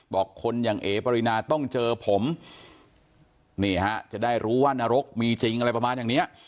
บอกคนอย่างเอ๋ปรินาต้องเจอผมนี่ฮะจะได้รู้ว่านรกมีจริงอะไรประมาณอย่างเนี้ย